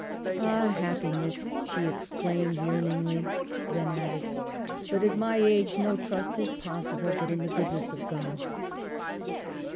" Ah happiness !" she exclaimed yearningly. Then added, " But at my age no trust is possible but in the goodness of God."